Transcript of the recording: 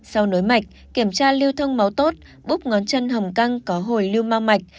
sau nối mạch kiểm tra lưu thông máu tốt búp ngón chân hồng căng có hồi lưu mau mạch